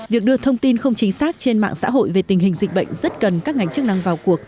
việc đưa thông tin không chính xác trên mạng xã hội về tình hình dịch bệnh rất cần các ngành chức năng vào cuộc